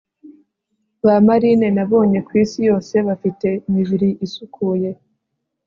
ba marine nabonye kwisi yose bafite imibiri isukuye